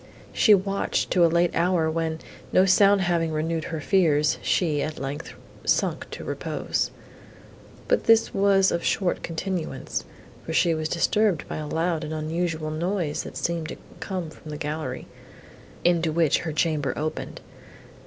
She watched to a late hour, when, no sound having renewed her fears, she, at length, sunk to repose. But this was of short continuance, for she was disturbed by a loud and unusual noise, that seemed to come from the gallery, into which her chamber opened.